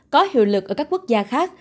có hiệu lực ở các quốc gia khác